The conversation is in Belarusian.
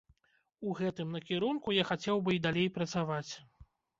У гэтым накірунку я хацеў бы і далей працаваць.